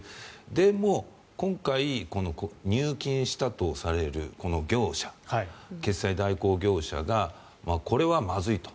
でも、今回、入金したとされるこの業者決済代行業者がこれはまずいと。